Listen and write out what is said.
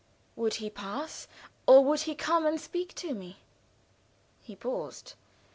Would he pass, or would he come and speak to me? He paused.